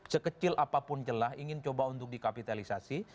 sekecil apapun celah ingin coba untuk dikapitalisasi